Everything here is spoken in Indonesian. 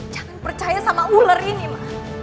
jangan percaya sama ular ini mah